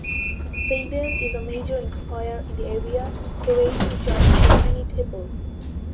Sabian is a major employer in the area, creating jobs for many people.